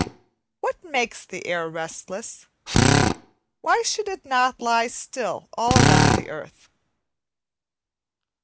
What makes the air restless? why should it not lie still all round the earth?